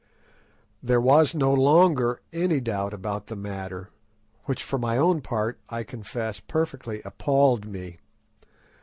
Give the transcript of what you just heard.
There was no longer any doubt about the matter, which for my own part I confess perfectly appalled me.